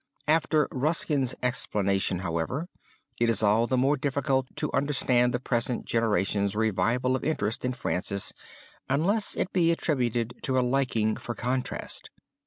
After Ruskin's explanation, however, it is all the more difficult to understand the present generation's revival of interest in Francis unless it be attributed to a liking for contrast.